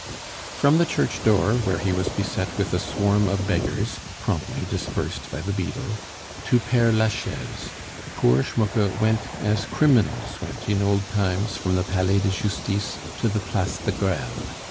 From the church door, where he was beset with a swarm of beggars (promptly dispersed by the beadle), to Pere Lachaise, poor Schmucke went as criminals went in old times from the Palais de Justice to the Place de Greve.